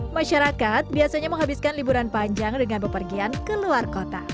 masyarakat biasanya menghabiskan liburan panjang dengan bepergian ke luar kota